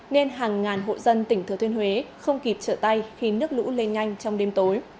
nên hàng ngàn hộ dân tỉnh thừa thiên huế không kịp trở tay khi nước lũ lên nhanh trong đêm tối